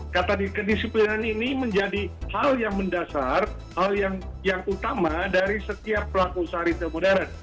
kata di kedisiplinan ini menjadi hal yang mendasar hal yang utama dari setiap pelaku usaha retail modern